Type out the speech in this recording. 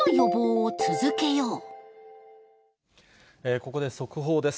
ここで速報です。